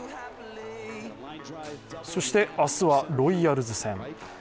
そして明日はロイヤルズ戦。